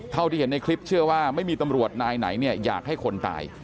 เท่าที่เห็นในคลิปเชื่อว่าไม่มีตำรวจนายไหนเนี่ยอยากให้คนตาย